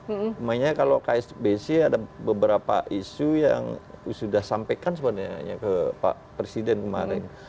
namanya kalau ksbc ada beberapa isu yang sudah sampaikan sebenarnya ke pak presiden kemarin